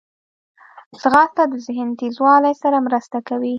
ځغاسته د ذهن تیزوالي سره مرسته کوي